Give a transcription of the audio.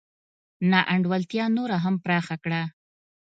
نا انډولتیا نوره هم پراخه کړه.